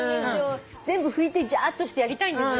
全部拭いてジャーっとしてやりたいんです。